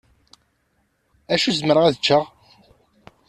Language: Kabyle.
Acu zemreɣ ad ččeɣ?